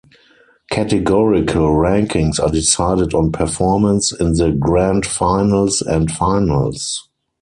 Categorical rankings are decided on performance in the grand finals and finals.